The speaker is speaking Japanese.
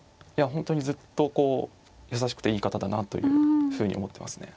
本当にずっとこう優しくていい方だなというふうに思ってますね。